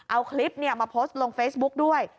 เอาคลิปมาโพสต์ลงเฟซบุ๊กด้วย